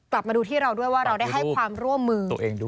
ปรับมาดูที่เราด้วยว่าเราได้ให้ความร่วมมือ